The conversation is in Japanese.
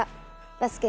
バスケ